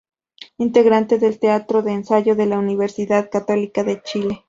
Integrante del Teatro de Ensayo de la Universidad Católica de Chile.